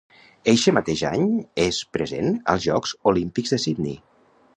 Eixe mateix any és present als Jocs Olímpics de Sydney.